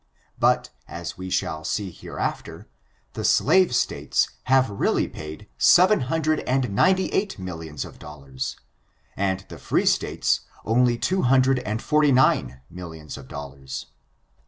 But, as we shall see hereafter, the slave States have really paid seven hundred and ninety eight millions of dollars, and the free States only two hundred and forty nine millions of dollars.